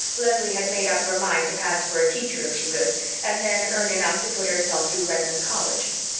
Leslie had made up her mind to pass for a teacher if she could, and then earn enough to put herself through Redmond College.